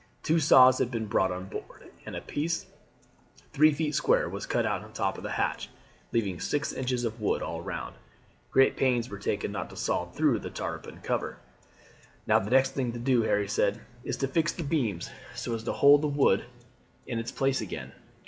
Two saws had been brought on board, and a piece three feet square was cut out of the top of the hatch, leaving six inches of wood all round. Great pains were taken not to saw through the tarpaulin cover. "Now, the next thing to do," Harry said, "is to fix the beams so as to hold the wood in its place again."